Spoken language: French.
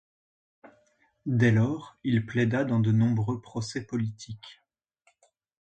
Dès lors, il plaida dans de nombreux procès politiques.